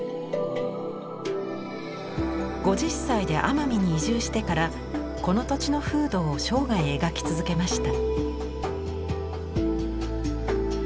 ５０歳で奄美に移住してからこの土地の風土を生涯描き続けました。